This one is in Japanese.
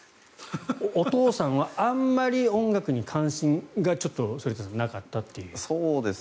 お父さんはあんまり音楽に関心がちょっと反田さんなかったという。